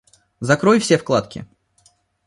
Закрой все вкладки